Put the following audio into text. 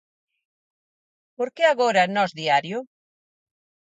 Por que agora Nós Diario?